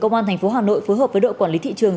công an tp hà nội phối hợp với đội quản lý thị trường